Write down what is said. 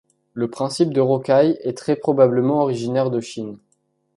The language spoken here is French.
Le principe de rocaille est très probablement originaire de Chine.